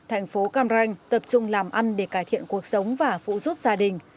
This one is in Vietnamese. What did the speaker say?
tp cam ranh tập trung làm ăn để cải thiện cuộc sống và phụ giúp gia đình